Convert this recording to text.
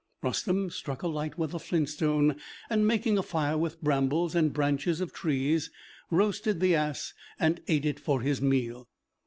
Rustem struck a light with a flintstone, and making a fire with brambles and branches of trees, roasted the ass and ate it for his meal.